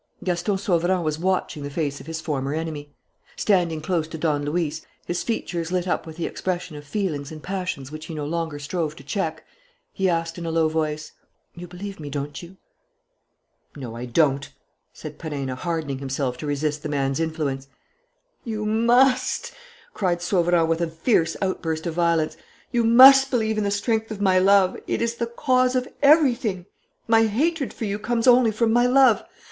Gaston Sauverand was watching the face of his former enemy. Standing close to Don Luis, his features lit up with the expression of feelings and passions which he no longer strove to check, he asked, in a low voice: "You believe me, don't you?" "No, I don't," said Perenna, hardening himself to resist the man's influence. "You must!" cried Sauverand, with a fierce outburst of violence. "You must believe in the strength of my love. It is the cause of everything. My hatred for you comes only from my love.